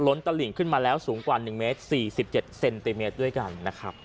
ตลิ่งขึ้นมาแล้วสูงกว่า๑เมตร๔๗เซนติเมตรด้วยกันนะครับ